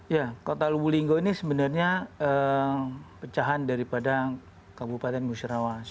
ya kota lubuk linggo ini sebenarnya pecahan daripada kabupaten nusirawas